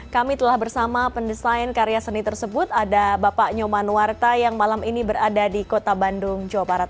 kami telah bersama pendesain karya seni tersebut ada bapak nyoman warta yang malam ini berada di kota bandung jawa barat